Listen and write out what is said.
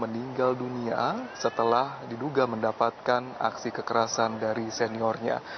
meninggal dunia setelah diduga mendapatkan aksi kekerasan dari seniornya